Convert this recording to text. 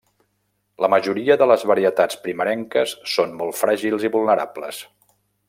La majoria de les varietats primerenques són molt fràgils i vulnerables.